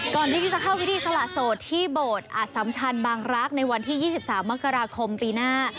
ก่อนที่จะเข้าพิธีสละโสดที่โบสถ์อสัมชันบางรักษ์ในวันที่๒๓มกราคมปีหน้า